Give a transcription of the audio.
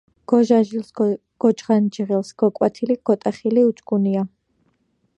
გოჟაჟილც ,გოჯღანჯღილს გოკვათილი გოტახილი უჯგუნია